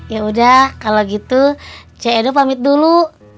ya udah kalau gitu ce edo pamit dulu